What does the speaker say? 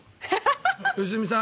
良純さん